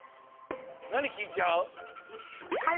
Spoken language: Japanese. なにきいちゃう？